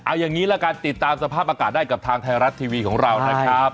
เอาอย่างนี้ละกันติดตามสภาพอากาศได้กับทางไทยรัฐทีวีของเรานะครับ